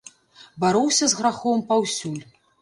Бароўся з грахом паўсюль.